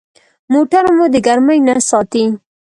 موټر مو د ګرمي نه ساتي.